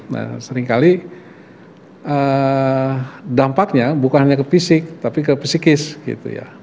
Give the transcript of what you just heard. nah sering kali dampaknya bukan hanya ke fisik tapi ke pesikis gitu ya